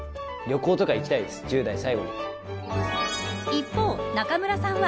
一方、中村さんは。